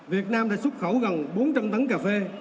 việt nam đã xuất khẩu gần bốn trăm linh tấn cà phê